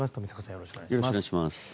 よろしくお願いします。